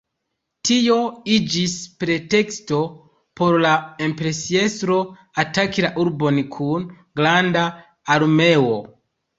Tio iĝis preteksto por la imperiestro ataki la urbon kun granda armeo.